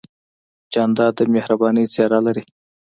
جانداد د مهربانۍ څېرہ لري.